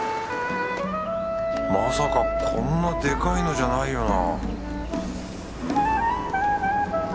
まさかこんなデカいのじゃないよな？